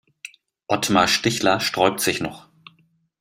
Otmar Stichler sträubt sich noch.